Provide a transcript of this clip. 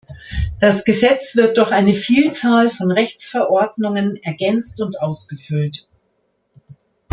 Das Gesetz wird durch eine Vielzahl von Rechtsverordnungen ergänzt und ausgefüllt.